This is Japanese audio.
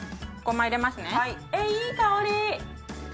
いい香り！